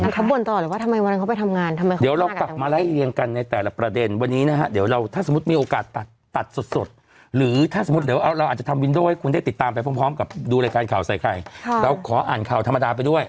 เขาบ่นต่อเลยไงวันนั้นเขาไปทำงาน